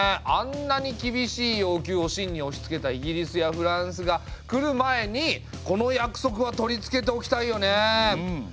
あんなに厳しい要求を清におしつけたイギリスやフランスが来る前にこの約束は取り付けておきたいよねえ。